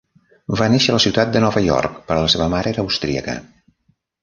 Va néixer a la ciutat de Nova York, però la seva mare era austríaca.